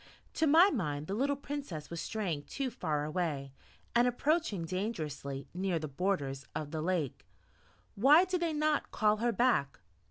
To my mind the little Princess was straying too far away, and approaching dangerously near the borders of the lake. Why did they not call her back?